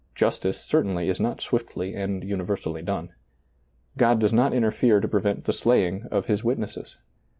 Jus tice certainly is not swiftly and universally done. God docs not interfere to prevent the slaying of His witnesses.